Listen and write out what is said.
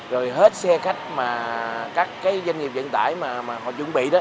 rồi hết xe khách mà các cái doanh nghiệp dẫn tải mà họ chuẩn bị đó